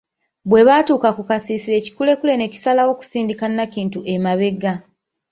Bwe batuuka ku kasiisira ekikulekule ne kisalawo okusindika Nakintu emabega .